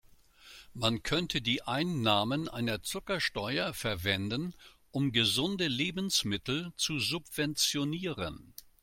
Man könnte die Einnahmen einer Zuckersteuer verwenden, um gesunde Lebensmittel zu subventionieren.